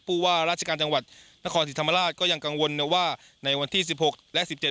พูดว่าราชการจังหวัดนครสิทธรรมราชก็ยังกังวลว่าในวันที่สิบหกและสิบเจ็ด